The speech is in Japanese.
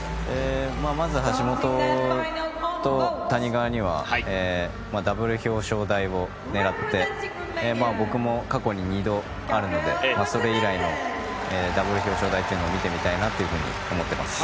まず橋本と谷川にはダブル表彰台を狙って僕も過去に２度あるのでそれ以来のダブル表彰台というのを見てみたいなと思っています。